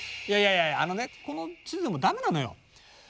いやいやいやあのねこの地図でもダメなのよ。